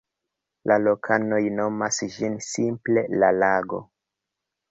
La lokanoj nomas ĝin simple "la lago".